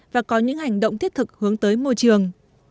và có những hành động thiết thực hướng tới môi trường